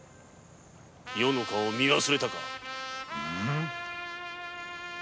余の顔を見忘れたか？